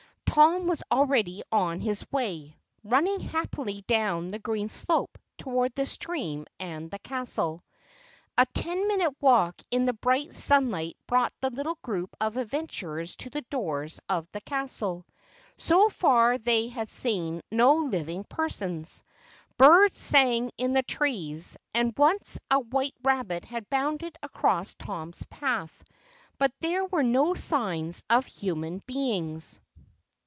Tom was already on his way, running happily down the green slope toward the stream and the castle. A ten minute walk in the bright sunlight brought the little group of adventurers to the doors of the castle. So far they had seen no living persons. Birds sang in the trees, and once a white rabbit had bounded across Tom's path, but there were no signs of human beings.